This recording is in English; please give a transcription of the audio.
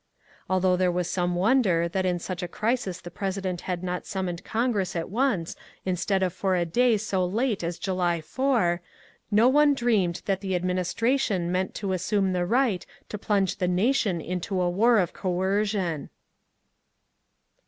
Although there was some wonder that in such a crisis the President had not summoned Congress at once instead of for a day so late as July 4, no one dreamed that the administration meant to assume the right to plunge the nation into a war of coercion.